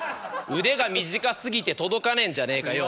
腕が短すぎて届かねえんじゃねえかよ。